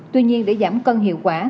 tuy nhiên để giảm cân hiệu quả